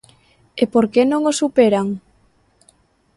¿E por que non o superan?